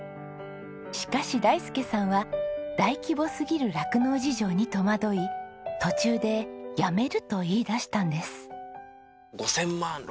しかし大介さんは大規模すぎる酪農事情に戸惑い途中でやめると言い出したんです。